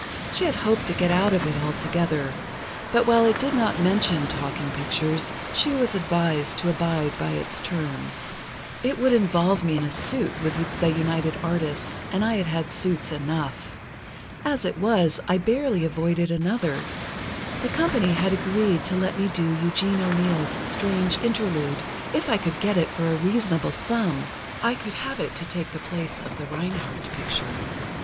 She had hoped to get out of it altogether; but while it did not mention talking pictures, she was advised to abide by the terms. "It would involve me in a suit with the United Artists, and I had had suits enough. As it was, I barely avoided another: The company had agreed to let me do Eugene O'Neill's 'Strange Interlude,' if I could get it for a reasonable sum—I could have it to take the place of the Reinhardt picture.